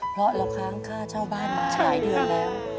เพราะเราค้างค่าเช่าบ้านมาหลายเดือนแล้ว